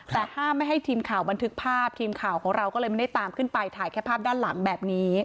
แต่ห้ามไม่ให้ทีมข่าวบันทึกภาพทีมข่าวของเราก็เลยไม่ได้ตามขึ้นไปถ่ายแค่ภาพด้านหลังแบบนี้